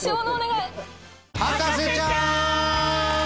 『博士ちゃん』！